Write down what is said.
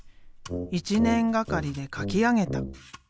１年がかりで描き上げた。